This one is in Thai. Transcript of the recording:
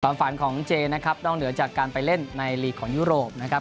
ฝันของเจนะครับนอกเหนือจากการไปเล่นในลีกของยุโรปนะครับ